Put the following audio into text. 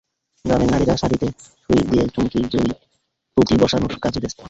গ্রামের নারীরা শাড়িতে সুই দিয়ে চুমকি, জরি, পুঁতি বসানোর কাজে ব্যস্ত।